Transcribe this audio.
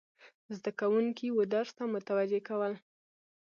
زده کوونکي و درس ته متوجه کول،